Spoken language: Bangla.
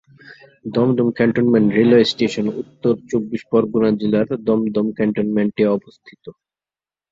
দমদম ক্যান্টনমেন্ট রেলওয়ে স্টেশন উত্তর চব্বিশ পরগণা জেলার দমদম ক্যান্টনমেন্টে অবস্থিত।